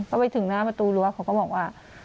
พอไปถึงหน้าประตูรั้วเขาก็บอกว่า